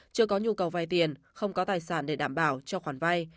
chưa có nhu cầu vai tiền không có tài sản để đảm bảo cho khoản vai